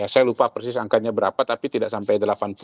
saya lupa persis angkanya berapa tapi tidak sampai delapan puluh